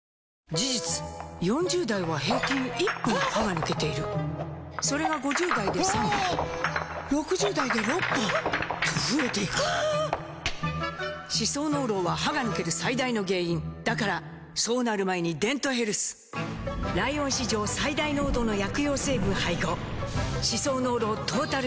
事実４０代は平均１本歯が抜けているそれが５０代で３本６０代で６本と増えていく歯槽膿漏は歯が抜ける最大の原因だからそうなる前に「デントヘルス」ライオン史上最大濃度の薬用成分配合歯槽膿漏トータルケア！